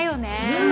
ねえ。